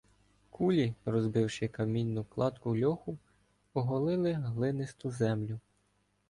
Кулі, розбивши камінну кладку льоху, оголили глинисту землю.